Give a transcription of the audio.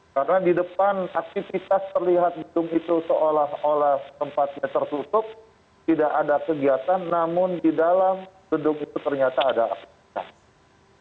karena di depan aktivitas terlihat itu seolah olah tempatnya tertutup tidak ada kegiatan namun di dalam gedung itu ternyata ada aktivitas